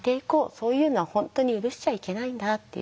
そういうのは本当に許しちゃいけないんだっていう。